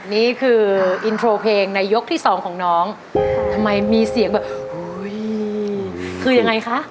นี่คืออินโทรเพลงในยกที่สองของน้องทำไมมีเสียงแบบอุ้ยคือยังไงคะ